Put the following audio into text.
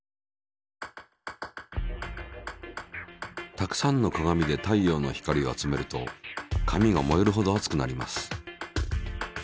たくさんの鏡で太陽の光を集めると紙が燃えるほど熱くなります。